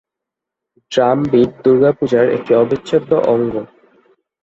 Drum beat দুর্গাপূজার একটি অবিচ্ছেদ্য অঙ্গ।